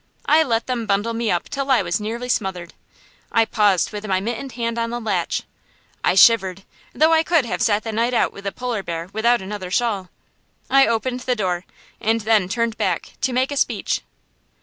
I let them bundle me up till I was nearly smothered. I paused with my mittened hand on the latch. I shivered, though I could have sat the night out with a Polar bear without another shawl. I opened the door, and then turned back, to make a speech.